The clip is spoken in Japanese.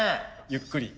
ゆっくり。